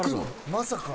まさか。